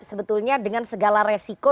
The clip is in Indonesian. sebetulnya dengan segala resiko